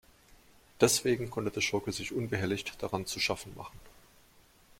Deswegen konnte der Schurke sich unbehelligt daran zu schaffen machen.